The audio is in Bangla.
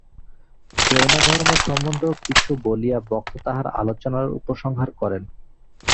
জৈনধর্ম সম্বন্ধে কিছু বলিয়া বক্তা তাঁহার আলোচনার উপসংহার করেন।